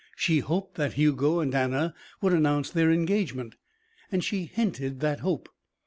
She hoped that Hugo and Anna would announce their engagement and she hinted that hope.